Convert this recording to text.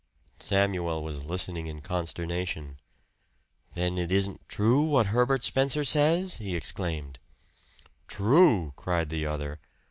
Samuel was listening in consternation. "Then it isn't true what Herbert Spencer says!" he exclaimed. "True!" cried the other.